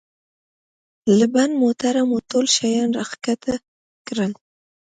له بند موټره مو ټول شیان را کښته کړل.